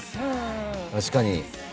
「確かに」